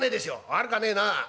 「悪かねえなあ。